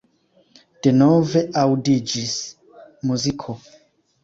Denove aŭdiĝis muziko.